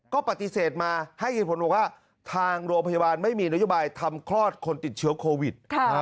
ก็ปฏิเสธมาให้เหตุผลบอกว่าทางโรงพยาบาลไม่มีนโยบายทำคลอดคนติดเชื้อโควิด